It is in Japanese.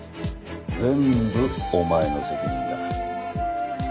全部お前の責任だ。